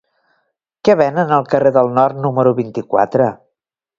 Què venen al carrer del Nord número vint-i-quatre?